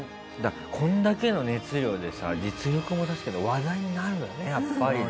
これだけの熱量でさ実力もですけど話題になるよねやっぱりね。